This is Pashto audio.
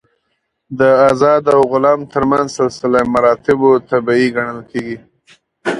د آزاد او غلام تر منځ سلسله مراتبو طبیعي ګڼل کېږي.